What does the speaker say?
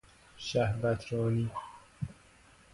شهوترانی